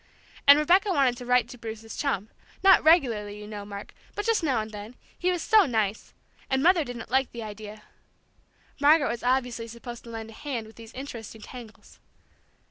And Rebecca wanted to write to Bruce's chum, not regularly, you know, Mark, but just now and then, he was so nice! And Mother didn't like the idea. Margaret was obviously supposed to lend a hand with these interesting tangles.